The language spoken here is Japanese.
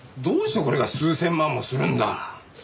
どうしてこれが数千万もするんだ？